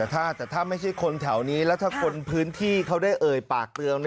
แต่ถ้าไม่ใช่คนแถวนี้แล้วถ้าคนพื้นที่เขาได้เอ่ยปากเตือน